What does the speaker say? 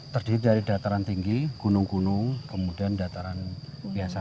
terdiri dari dataran tinggi gunung gunung kemudian dataran biasa